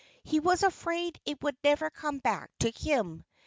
He was afraid it would never come back to him.